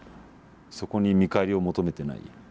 そこに見返りを求めてない。